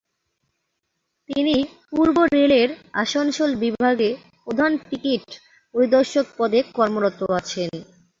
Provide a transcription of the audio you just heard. তিনি পূর্ব রেলের আসানসোল বিভাগে প্রধান টিকিট পরিদর্শক পদে কর্মরত আছেন।